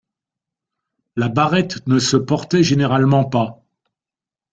La barrette ne se portait généralement pas.